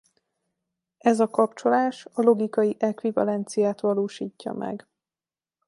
Ez a kapcsolás a logikai ekvivalenciát valósítja meg.